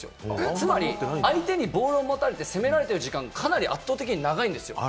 つまり相手にボールを持たれて攻められてる時間が、かなり圧倒的に長いんですよ。